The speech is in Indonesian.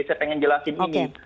saya pengen jelasin ini